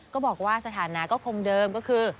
ก็บอกว่าสถานะก็คงเดิมก็คือ